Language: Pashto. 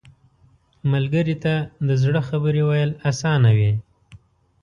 ملګری ته د زړه خبرې ویل اسانه وي